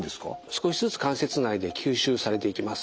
少しずつ関節内で吸収されていきます。